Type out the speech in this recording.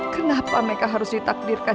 kenapa mereka harus ditakdirkan